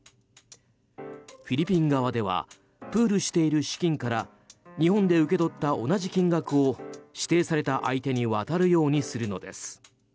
フィリピン側ではプールしている資金から日本で受け取った同じ金額を指定された相手に渡るようにするのです。